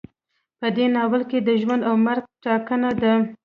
په دې ناول کې د ژوند او مرګ ټاکنه ده.